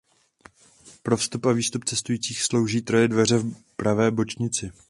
Pro vstup a výstup cestujících slouží troje dveře v pravé bočnici.